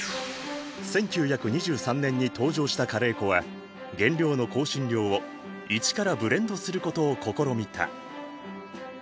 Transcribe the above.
１９２３年に登場したカレー粉は原料の香辛料を一からブレンドすることを試みた。